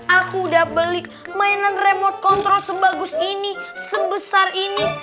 aku udah beli mainan remote control sebagus ini sebesar ini